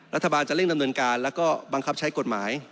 รัฐบาลจะเร่งดำเนินการแล้วก็บังคับใช้กฎหมาย